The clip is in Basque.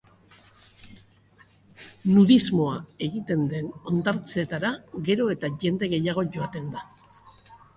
Nudismoa egiten den hondartzetara gero eta jende gehiago joaten da.